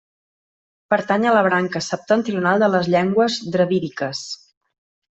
Pertany a la branca septentrional de les llengües dravídiques.